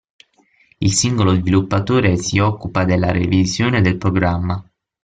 Il singolo sviluppatore si occupa della revisione del programma.